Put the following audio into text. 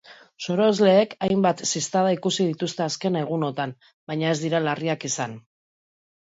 Sorosleek hainbat ziztada ikusi dituzte azken egunotan, baina ez dira larriak izan.